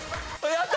やった！